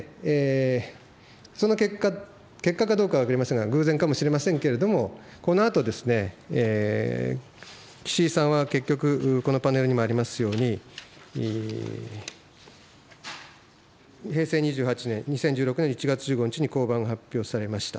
その結果、結果かどうかは分かりませんが、偶然かもしれませんけれども、このあと、岸井さんは結局、このパネルにもありますように、平成２８年、２０１６年１月１５日に降板が発表されました。